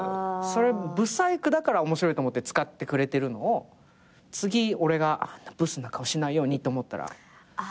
不細工だから面白いと思って使ってくれてるのを次俺があんなブスな顔しないようにって思ったら。